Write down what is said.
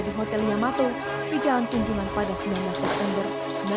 di hotel yamato di jalan tunjungan pada sembilan belas september seribu sembilan ratus empat puluh